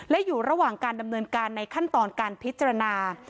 และอยู่ระหว่างการดำเนินการในขั้นตอนการพิจารณา